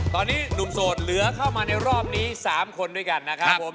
ตอนนี้หนุ่มโสดเหลือเข้ามาในรอบนี้๓คนด้วยกันนะครับผม